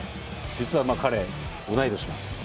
実は彼同い年なんです。